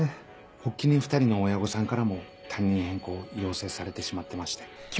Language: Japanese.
発起人２人の親御さんからも担任変更を要請されてしまってまして。